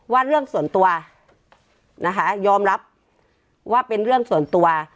ว่าเรื่องส่วนตัวนะคะยอมรับว่าเป็นเรื่องส่วนตัว